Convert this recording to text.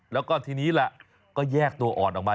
แล้วก็ทีนี้แหละก็แยกตัวอ่อนออกมา